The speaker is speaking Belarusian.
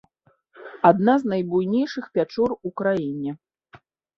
Адна з найбуйнейшых пячор у краіне.